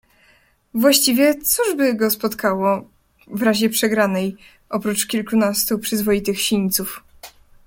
"Właściwie, cóż by go spotkało, w razie przegranej, oprócz kilkunastu przyzwoitych sińców?"